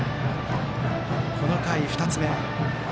この回、２つ目。